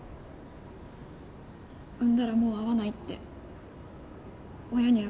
産んだらもう会わないって親に約束したんです。